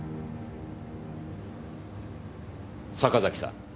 坂崎さん。